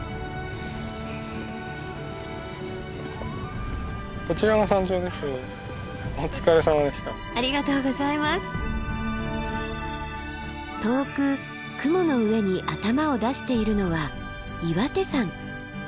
遠く雲の上に頭を出しているのは岩手山。